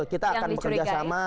kita akan bekerja sama